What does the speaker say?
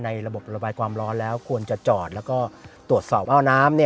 ระบบระบายความร้อนแล้วควรจะจอดแล้วก็ตรวจสอบว่าน้ำ